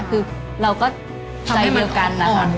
คือเราก็ใจเดียวกันนะคะ